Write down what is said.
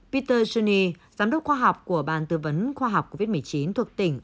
peter juni giám đốc khoa học của bàn tư vấn khoa học covid một mươi chín thuộc tỉnh